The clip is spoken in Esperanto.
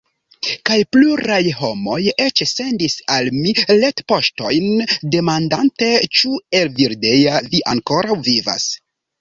Kaj pluraj homoj eĉ sendis al mi retpoŝtojn, demandante: ĉu, Evildea, vi ankoraŭ vivas?